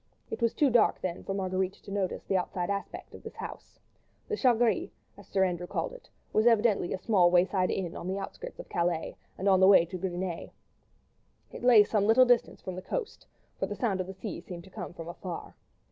It was too dark then for Marguerite to notice the outside aspect of this house. The "Chat Gris," as Sir Andrew had called it, was evidently a small wayside inn on the outskirts of Calais, and on the way to Gris Nez. It lay some little distance from the coast, for the sound of the sea seemed to come from afar.